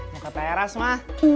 mau ke teras mah